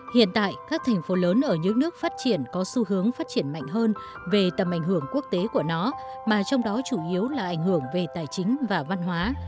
hiện tại các thành phố lớn ở những nước phát triển có xu hướng phát triển mạnh hơn về tầm ảnh hưởng quốc tế của nó mà trong đó chủ yếu là ảnh hưởng về tài chính và văn hóa